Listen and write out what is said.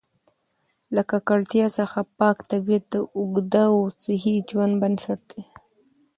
له ککړتیا څخه پاک طبیعت د اوږده او صحي ژوند بنسټ دی.